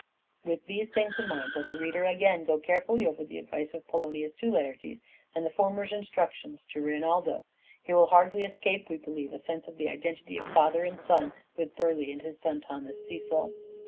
With these things in mind let the reader again go carefully over the advice of Polonius to Laertes, and the former's instructions to Reynaldo. He will hardly escape, we believe, a sense of the identity of 474 "SHAKESPEARE' IDENTIFIED father and son, with Burleigh and his son Thomas Cecil.